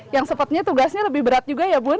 yang sepertinya tugasnya lebih berat juga ya bun